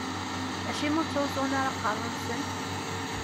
Acimi ur ttruẓun ara aqerru-nsen?